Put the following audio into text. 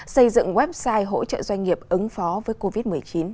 xây dựng website hỗ trợ doanh nghiệp ứng phó với covid một mươi chín